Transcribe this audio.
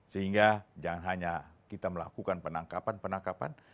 sehingga jangan hanya kita melakukan penangkapan penangkapan